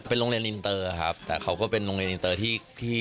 เป็นโรงเรียนอินเตอร์ครับแต่เขาก็เป็นโรงเรียนอินเตอร์ที่